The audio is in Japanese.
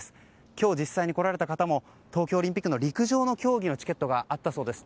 今日、実際に来られた方も東京オリンピックの陸上の競技のチケットがあったそうです。